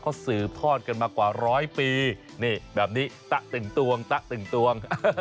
เค้าสืบทอดกันมากว่าร้อยปีนี่แบบนี้ต๊ะหนึ่งตวง